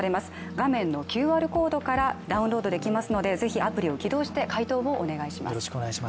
画面のＱＲコードからダウンロードできますので、是非アプリを起動して、回答をお願いします。